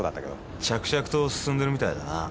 着々と進んでるみたいだな。